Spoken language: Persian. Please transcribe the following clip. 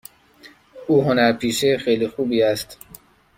او هنرپیشه خیلی خوبی است.